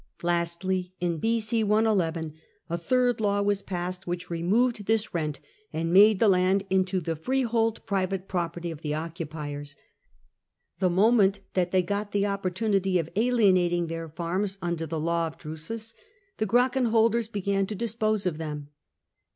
Lastly, in B.c. iii, a third law was passed, which removed this rent and made the land into the freehold private property of the occupiers.^ The moment that they got the opportunity of alienating their farms, under the law of Drusus, the Gracchan holders began to dispose of them.